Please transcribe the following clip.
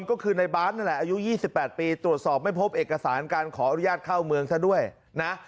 ก็คือในบาสนั่นแหละอายุ๒๘ปีตรวจสอบไม่พบเอกสารการขออนุญาตเข้าเมืองซะด้วยนะ